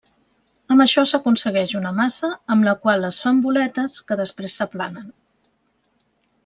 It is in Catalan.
Amb això s'aconsegueix una massa amb la qual es fan boletes que després s'aplanen.